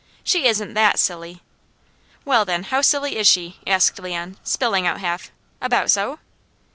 "She isn't that silly." "Well then, how silly is she?" asked Leon, spilling out half. "About so?"